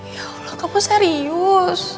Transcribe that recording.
ya allah kamu serius